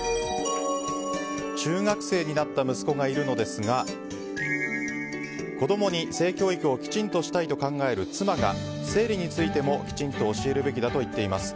中学生になった息子がいるのですが子供に性教育をきちんとしたいと考える妻が生理についても、きちんと教えるべきだと言っています。